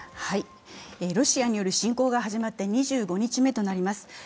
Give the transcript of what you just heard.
ロシアによる侵攻が始まって２５日目となります。